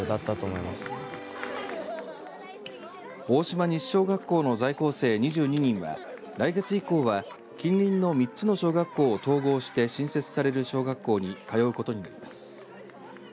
大島西小学校の在校生２２人は来月以降は近隣の３つの小学校を統合して新設される小学校に通うことになります。